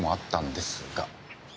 ですが？